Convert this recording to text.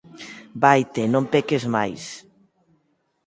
Vaite e non peques máis.